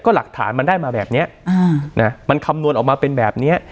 หลักฐานมันได้มาแบบนี้มันคำนวณออกมาเป็นแบบนี้